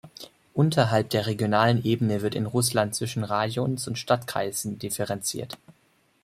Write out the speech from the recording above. Unterhalb der regionalen Ebene wird in Russland zwischen Rajons und Stadtkreisen differenziert.